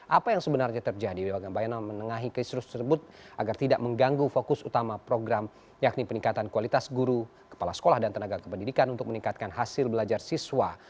apa yang sebenarnya terjadi di wagambayno menengahi keisrus tersebut agar tidak mengganggu fokus utama program yakni peningkatan kualitas guru kepala sekolah dan tenaga kependidikan untuk meningkatkan hasil belajar siswa